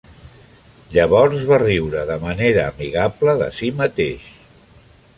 Llavors va riure de manera amigable de si mateix.